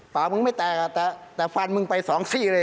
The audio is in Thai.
ปากมึงไม่แตกแต่ฟันมึงไปสองซี่เลย